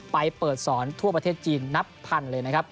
ไปเปิดสอนทั่วประเทศจีนนับพันเลยนะครับ